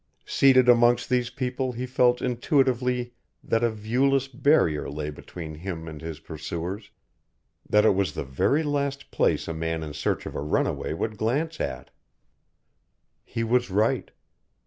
Seated amongst these people he felt intuitively that a viewless barrier lay between him and his pursuers, that it was the very last place a man in search of a runaway would glance at. He was right.